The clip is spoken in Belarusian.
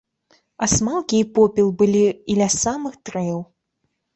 Асмалкі і попел былі і ля самых дрэў.